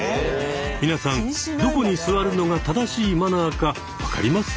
皆さんどこに座るのが正しいマナーか分かります？